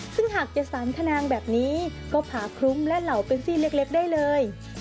ซึ่งหากจะสารขนางแบบนี้ก็ผาคลุ้มและเหล่าเป็นซี่เล็กได้เลย